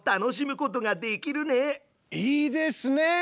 いいですね！